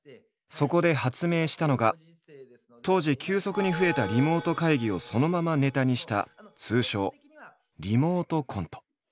そこで発明したのが当時急速に増えたリモート会議をそのままネタにした通称「リモートコント」。